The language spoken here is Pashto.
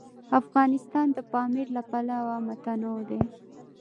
افغانستان د پامیر له پلوه متنوع دی.